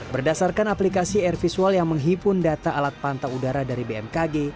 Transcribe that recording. berdasarkan aplikasi air visual yang menghimpun data alat pantau udara dari bmkg